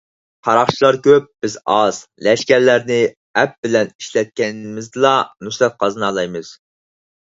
قاراقچىلار كۆپ، بىز ئاز؛ لەشكەرلەرنى ئەپ بىلەن ئىشلەتكىنىمىزدىلا نۇسرەت قازىنالايمىز.